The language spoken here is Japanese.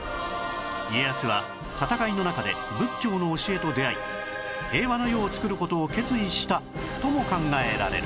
家康は戦いの中で仏教の教えと出会い平和な世を作る事を決意したとも考えられる